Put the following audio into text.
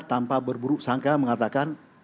tanpa berburuk sangka mengatakan